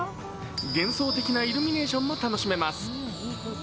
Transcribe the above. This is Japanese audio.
幻想的なイルミネーションも楽しめます。